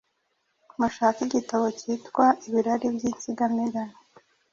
Mushake igitabo kitwa “Ibirari by’insigamigani”